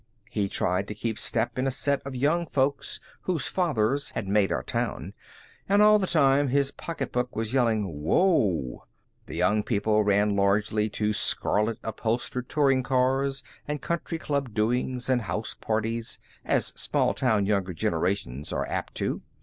He tried to keep step in a set of young folks whose fathers had made our town. And all the time his pocketbook was yelling, "Whoa!" The young people ran largely to scarlet upholstered touring cars, and country club doings, and house parties, as small town younger generations are apt to.